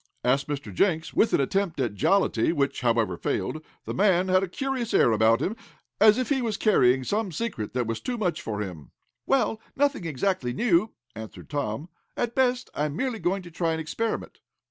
asked Mr. Jenks, with an attempt at jollity, which, however, failed. The man had a curious air about him, as if he was carrying some secret that was too much for him. "Well, nothing exactly new," answered Tom. "At best I am merely going to try an experiment."